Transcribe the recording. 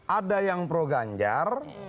ada yang proganjar